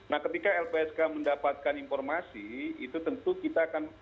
nah ketika lpsk mendapatkan informasi itu tentu kita akan